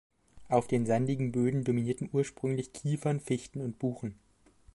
Auf den sandigen Böden dominierten ursprünglich Kiefern, Fichten und Buchen.